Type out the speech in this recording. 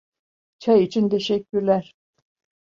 Çay için teşekkürler.